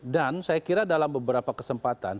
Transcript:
dan saya kira dalam beberapa kesempatan